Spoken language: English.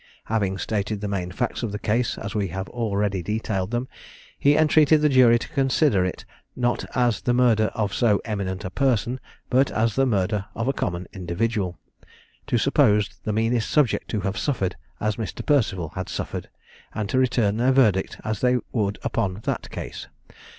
Having stated the main facts of the case as we have already detailed them, he entreated the jury to consider it not as the murder of so eminent a person, but as the murder of a common individual to suppose the meanest subject to have suffered as Mr. Perceval had suffered, and to return their verdict as they would upon that case.